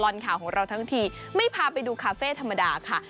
ข่าวของเราทั้งทีไม่พาไปดูคาเฟ่ธรรมดาค่ะ